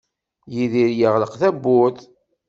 Yidir yeɣleq tawwurt.